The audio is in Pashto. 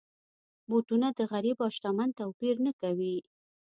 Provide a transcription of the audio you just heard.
بوټونه د غریب او شتمن توپیر نه کوي.